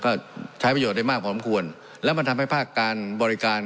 ก็ใช้ประโยชน์ได้มากพร้อมควรแล้วมันทำให้ภาคการบริการ